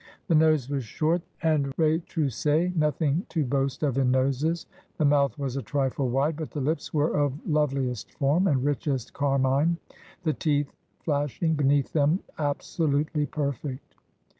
The nose was short and ret7 ousse, nothing to boast of in noses ; the mouth v/as a trifle wide, but the lips were of loveliest form and richest carmine, the teeth flashing beneath them absolutely perfect.